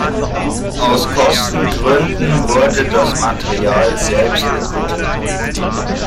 Aus Kostengründen wurde das Material selbst entwickelt.